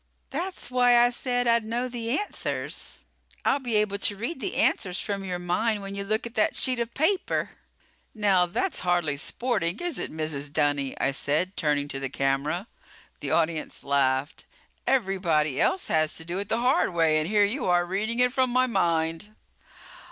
"That's why I said that I'd know the answers. I'll be able to read the answers from your mind when you look at that sheet of paper." "Now, that's hardly sporting, is it, Mrs. Dunny?" I said, turning to the camera. The audience laughed. "Everybody else has to do it the hard way and here you are reading it from my mind."